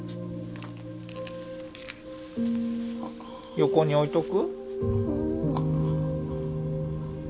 横に置いとく？